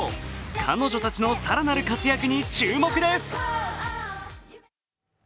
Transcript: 彼女たちの更なる活躍に注目です。